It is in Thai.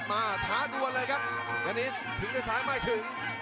มาท้าด่วนเลยครับยานิสต์ถึงได้ซ้ายไม่ถึง